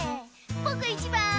ぼくいちばん！